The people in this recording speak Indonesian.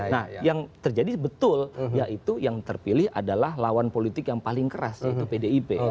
nah yang terjadi betul yaitu yang terpilih adalah lawan politik yang paling keras yaitu pdip